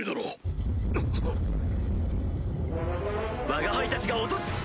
わが輩たちが落とす！